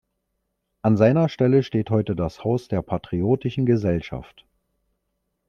An seiner Stelle steht heute das Haus der Patriotischen Gesellschaft.